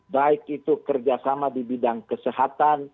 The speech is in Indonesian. baik itu kerjasama di bidang kesehatan